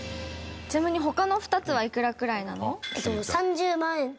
ちなみに他の２つはいくらくらいなの？